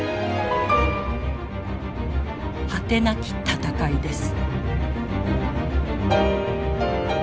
果てなき闘いです。